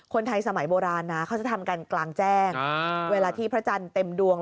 คนไทยสมัยโบราณนะเขาจะทำกันกลางแจ้งเวลาที่พระจันทร์เต็มดวง